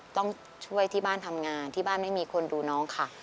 ต้องช่วยที่บ้านทำงานที่บ้านไม่มีคนดูน้องค่ะ